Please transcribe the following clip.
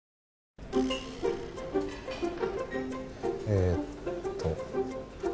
えーっと。